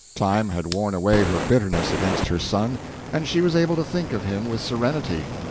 Time had worn away her bitterness against her son, and she was able to think of him with serenity.